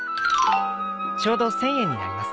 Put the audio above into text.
ちょうど１，０００円になります。